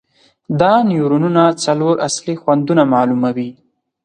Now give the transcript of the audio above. دا نیورونونه څلور اصلي خوندونه معلوموي.